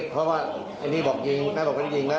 เพราะว่าอันนี้บอกจริงน่าบอกเป็นจริงแล้ว